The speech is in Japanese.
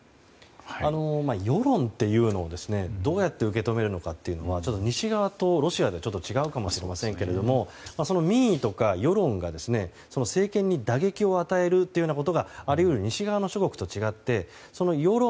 世論というのをどうやって受け止めるのかは西側とロシアでちょっと違うかもしれませんけれどもその民意とか世論が政権に打撃を与えるということがあり得る、西側諸国と違って世論